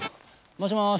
もしもし。